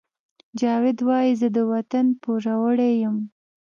جاوید وایی زه د وطن پوروړی یم